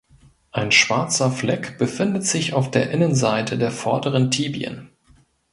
Ein schwarzer Fleck befindet sich auf der Innenseite der vorderen Tibien.